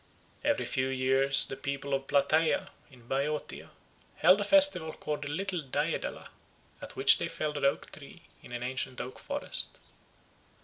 Every few years the people of Plataea, in Boeotia, held a festival called the Little Daedala, at which they felled an oak tree in an ancient oak forest.